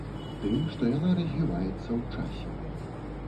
Тым, што яна развіваецца ў часе.